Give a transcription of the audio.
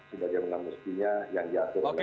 sebagaimana mestinya yang diatur